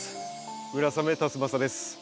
村雨辰剛です。